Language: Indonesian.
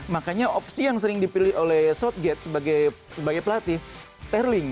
makanya opsi yang sering dipilih oleh southgate sebagai pelatih sterling